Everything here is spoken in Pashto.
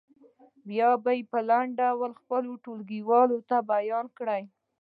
بیا یې په لنډ ډول خپلو ټولګیوالو ته بیان کړئ.